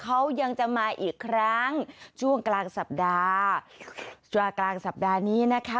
เขายังจะมาอีกครั้งช่วงกลางสัปดาห์ช่วงกลางสัปดาห์นี้นะคะ